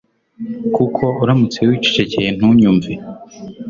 Kuko uramutse wicecekeye ntunyumve